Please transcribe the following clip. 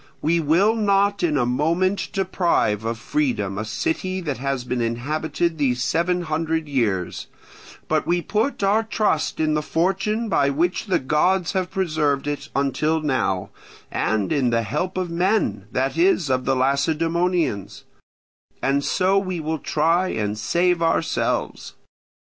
We will not in a moment deprive of freedom a city that has been inhabited these seven hundred years; but we put our trust in the fortune by which the gods have preserved it until now, and in the help of men, that is, of the Lacedaemonians; and so we will try and save ourselves.